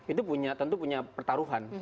itu tentu punya pertaruhan